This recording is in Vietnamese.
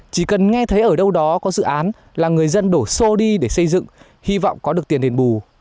chỉ cần nghe thấy ở đâu đó có dự án là người dân đổ xô đi để xây dựng hy vọng có được tiền đền bù